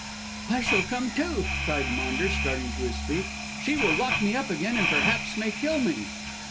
"I shall come, too," cried Maunders starting to his feet. "She will lock me up again and perhaps may kill me."